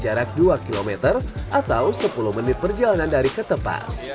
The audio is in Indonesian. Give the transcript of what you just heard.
jarak dua kilometer atau sepuluh menit perjalanan dari ketepas